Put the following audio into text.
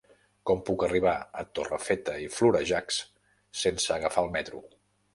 Com puc arribar a Torrefeta i Florejacs sense agafar el metro?